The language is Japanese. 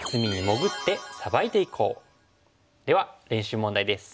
では練習問題です。